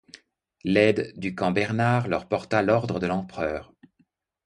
L'aide de camp Bernard leur porta l'ordre de l'empereur.